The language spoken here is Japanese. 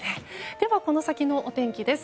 では、この先のお天気です。